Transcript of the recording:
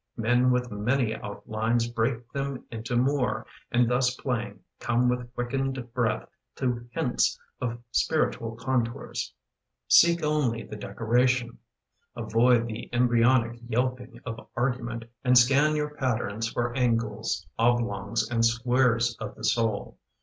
Men with many outlines Break them into more, and thus Flaying, come with quickened breath To hints of spiritual contours. Seek only the decoration; Avoid the embryonic yelping Of argument, and scan your patterns For angles, oblongs, and squares of the soul.